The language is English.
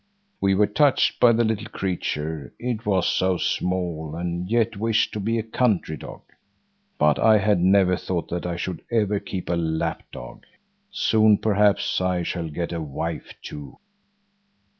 We were touched by the little creature; it was so small, and yet wished to be a country dog. But I had never thought that I should ever keep a lap dog. Soon, perhaps, I shall get a wife too."